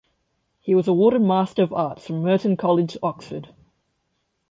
He was awarded Master of Arts from Merton College, Oxford.